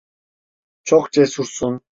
Çok cesursun.